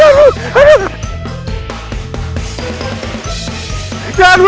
aduh aduh aduh